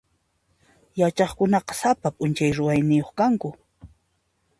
Yachaqkunaqa sapa p'unchay ruwayniyuq kanku.